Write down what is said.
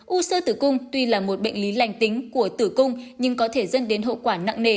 u sơ tử cung tuy là một bệnh lý lành tính của tử cung nhưng có thể dẫn đến hậu quả nặng nề